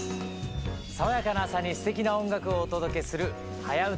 爽やかな朝にすてきな音楽をお届けする「はやウタ」。